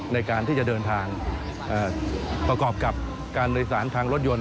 ในการที่จะเดินทางประกอบกับการโดยสารทางรถยนต